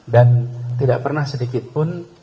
tidak pernah sedikit pun